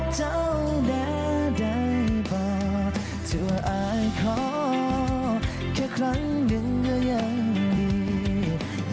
เจ้าแม้ใดบอกจะว่าอายขอแค่ครั้งหนึ่งก็ยังดี